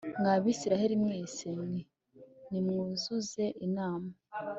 Mwa Bisirayeli mwese mwe nimwuzuze inama